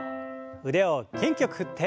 腕を元気よく振って。